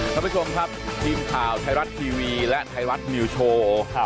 ทุกคนค่ะทีมข่าวไทยรัฐทีวีและไทยรัฐมิวโชว์